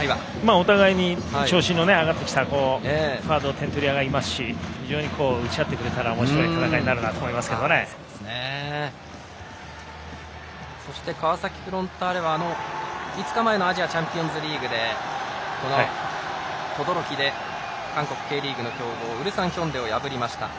お互いに調子の上がってきた点取り屋がいますから打ち合ってくれたらおもしろい展開になるかなと川崎フロンターレは５日前のアジアチャンピオンズリーグで等々力で韓国Ｋリーグの強豪ウルサンヒョンデを破りました。